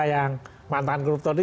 yang mantan koruptor ini